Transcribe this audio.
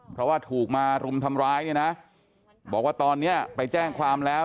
เพราะว่าถูกมารุมทำร้ายเนี่ยนะบอกว่าตอนนี้ไปแจ้งความแล้ว